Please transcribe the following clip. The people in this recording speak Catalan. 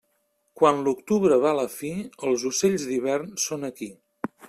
Quan l'octubre va a la fi, els ocells d'hivern són aquí.